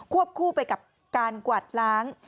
วบคู่ไปกับการกวาดล้าง